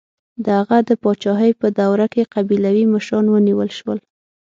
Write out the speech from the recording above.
د هغه د پاچاهۍ په دوره کې قبیلوي مشران ونیول شول.